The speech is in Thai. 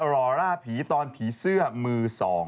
อลอร่าพีตอนผีเสื้อมือสอง